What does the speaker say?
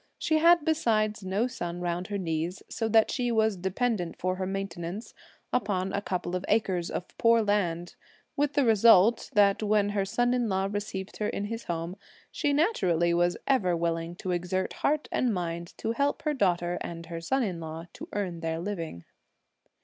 She had besides no son round her knees, so that she was dependent for her maintenance on a couple of acres of poor land, with the result that when her son in law received her in his home, she naturally was ever willing to exert heart and mind to help her daughter and her son in law to earn their living.